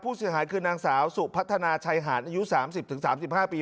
ผู้เสียหายคืนนางสาวสู่พัฒนาชายหาญอายุสามสิบถึงสามสิบห้าปี